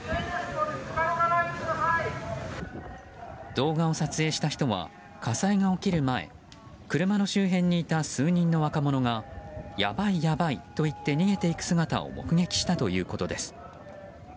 動画を撮影した人は火災が起きる前車の周辺にいた数人の若者がやばいやばいと言って逃げていく姿を目撃したということです。